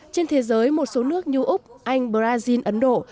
trên thế giới một số nước như úc anh brazil ấn độ